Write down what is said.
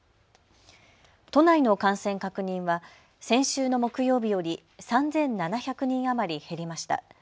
都内の感染確認は先週の木曜日より３７００人余り減りました。